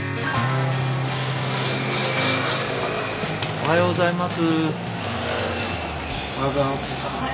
おはようございます。